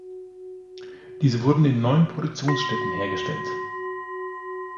Diese wurden in neun Produktionsstätten hergestellt.